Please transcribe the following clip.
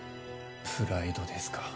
プライドですか。